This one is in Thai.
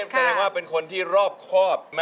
แสดงว่าเป็นคนที่รอบครอบไม่ประจะ